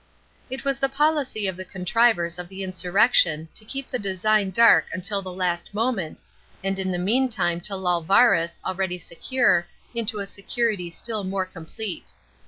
It was the policy of the contrivers of the insurrection to keep the design dark umil the last moment, and in the meantime to lull \ arns, alieady secure, into a security still more complete.